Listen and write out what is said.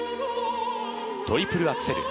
トリプルアクセル。